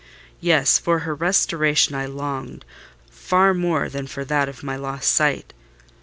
Yes: for her restoration I longed, far more than for that of my lost sight.